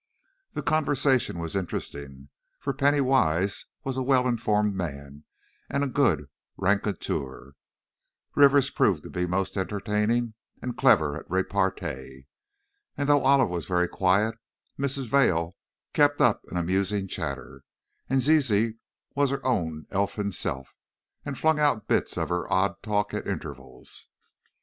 The conversation was interesting, for Pennington Wise was a well informed man and a good raconteur; Rivers proved to be most entertaining and clever at repartee; and though Olive was very quiet, Mrs. Vail kept up an amusing chatter, and Zizi was her own elfin self and flung out bits of her odd talk at intervals.